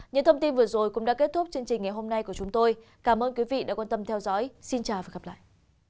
những thông tin vừa rồi cũng đã kết thúc chương trình ngày hôm nay của chúng tôi cảm ơn quý vị đã quan tâm theo dõi xin chào và hẹn gặp lại